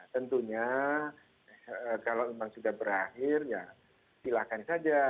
tentunya kalau memang sudah berakhir ya silahkan saja